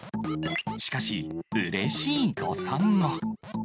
しかし、うれしい誤算も。